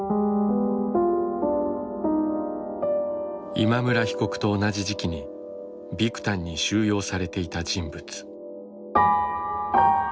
今村被告と同じ時期にビクタンに収容されていた人物。